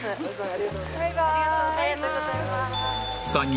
ありがとうございます。